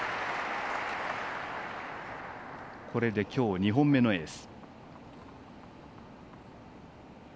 これできょう２本目のエース。